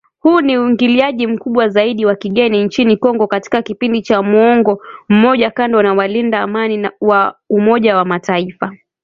Huu ni uingiliaji mkubwa zaidi wa kigeni nchini Kongo katika kipindi cha muongo mmoja kando na walinda Amani wa Umoja wa mataifa